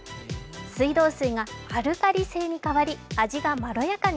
水道水がアルカリ性に変わり、味がまろやかに。